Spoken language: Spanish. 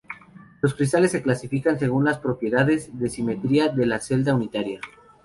Los cristales se clasifican según las propiedades de simetría de la celda unitaria.